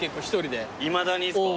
いまだにっすか？